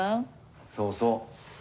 そうそう。